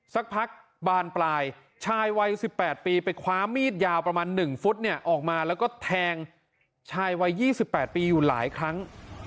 สักพักบานปลายชายวัย๑๘ปีไปคว้ามีดยาวประมาณ๑ฟุตเนี่ยออกมาแล้วก็แทงชายวัย๒๘ปีอยู่หลายครั้ง